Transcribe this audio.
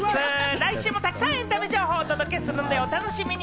来週もたくさんエンタメ情報をお届けするんで、お楽しみに。